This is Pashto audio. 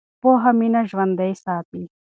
پوهه مینه ژوندۍ ساتي.